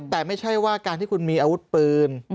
แต่ไม่ใช่ว่าการที่คุณมีอาวุธปืน